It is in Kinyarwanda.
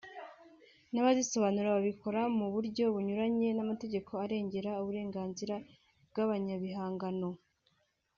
n'abazisobanura babikora mu buryo bunyuranye n’amategeko arengera uburenganzira bwa ba nyiribihangano